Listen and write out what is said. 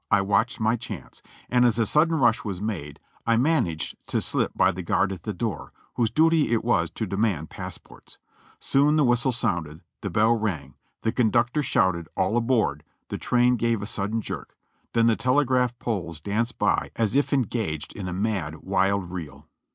I watched my chance, and as a sudden rush was made I managed to slip by the guard at the door, whose duty it was to demand passports. Soon the whistle sounded; the' bell rang: the conductor shouted "All aboard!" the train gave a sudden jerk; then the telegraph poles danced by as if en gaged in a mad, wild reel.